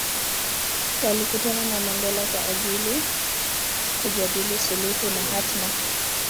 Walikutana na Mandela kwa ajili kujadili suluhu na hatma